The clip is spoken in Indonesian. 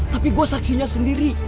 tapi gue saksinya sendiri